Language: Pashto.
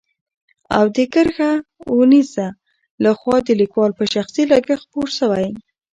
او د کرښه اوو نيزه له خوا د ليکوال په شخصي لګښت خپور شوی.